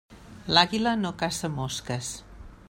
L'àguila no caça mosques.